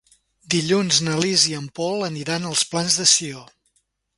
Dilluns na Lis i en Pol aniran als Plans de Sió.